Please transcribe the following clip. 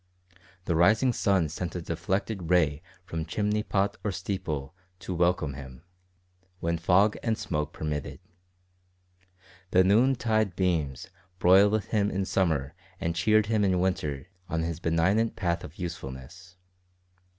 The rising sun sent a deflected ray from chimney pot or steeple to welcome him when fog and smoke permitted. The noon tide beams broiled him in summer and cheered him in winter on his benignant path of usefulness.